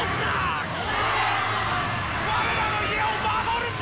我らの家を守るんだ！